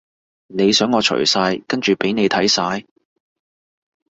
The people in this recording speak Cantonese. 你想我除晒跟住畀你睇晒？